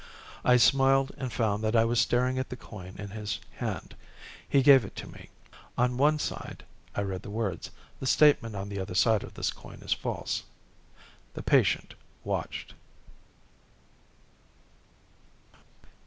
I smiled and found that I was staring at the coin in his hand. He gave it to me. On one side I read the words: THE STATEMENT ON THE OTHER SIDE OF THIS COIN IS FALSE. The patient watched....